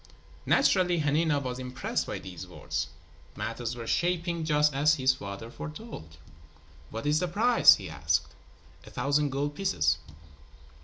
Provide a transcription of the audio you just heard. Naturally, Hanina was impressed by these words. Matters were shaping just as his father foretold. "What is the price?" he asked. "A thousand gold pieces."